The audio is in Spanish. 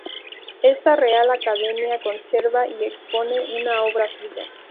Esta Real Academia conserva y expone una obra suya.